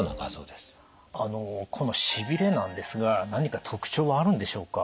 このしびれなんですが何か特徴はあるんでしょうか？